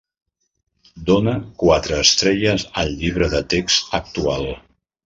Dóna quatre estrelles al llibre de text actual